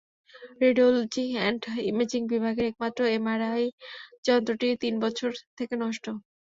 Radiology and imaging বিভাগের একমাত্র MRI যন্ত্রটিও তিন বছর থেকে নষ্ট।